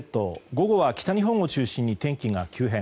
午後は北日本を中心に天気が急変。